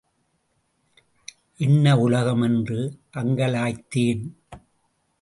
என்ன உலகம் என்று அங்கலாய்த்தேன்.